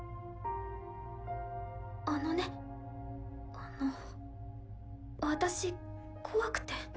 あのねあの私怖くて。